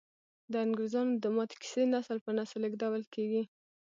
د انګریزامو د ماتې کیسې نسل په نسل لیږدول کیږي.